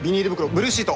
ブルーシート